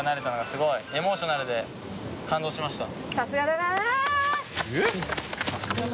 すごいエモーショナルで感動しました。